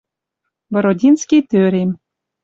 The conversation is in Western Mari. Бородинский тӧрем